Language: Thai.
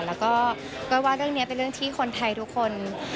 แล้วก็ก้อยว่าเรื่องนี้เป็นเรื่องที่คนไทยทุกคน